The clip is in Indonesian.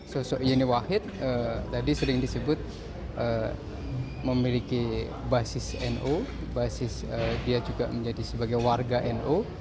sosok yeni wahid tadi sering disebut memiliki basis nu basis dia juga menjadi sebagai warga nu